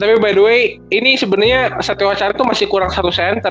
tapi by the way ini sebenernya satyo acara tuh masih kurang satu center